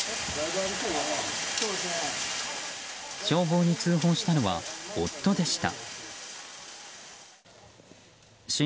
消防に通報したのは夫でした。